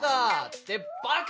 ってバカ。